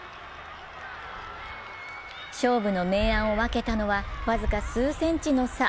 勝負の明暗を分けたのは、僅か数センチの差。